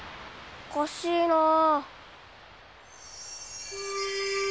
おかしいなあ。